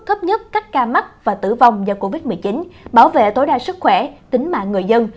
thấp nhất các ca mắc và tử vong do covid một mươi chín bảo vệ tối đa sức khỏe tính mạng người dân